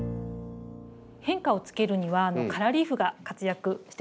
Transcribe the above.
変化をつけるにはカラーリーフが活躍してくれます。